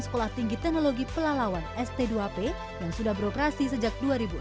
sekolah tinggi teknologi pelalawan st dua p yang sudah beroperasi sejak dua ribu enam belas